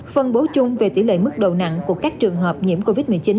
phân bố chung về tỷ lệ mức độ nặng của các trường hợp nhiễm covid một mươi chín